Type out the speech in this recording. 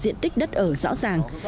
điện tích đất ở rõ ràng